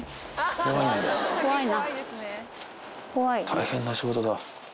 大変な仕事だ。